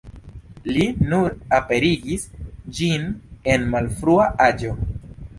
Li nur aperigis ĝin en malfrua aĝo.